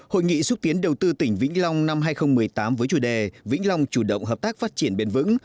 hội nghị xúc tiến đầu tư tỉnh vĩnh long năm hai nghìn một mươi tám với chủ đề vĩnh long chủ động hợp tác phát triển bền vững